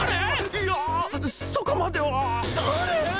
いやそこまでは誰！？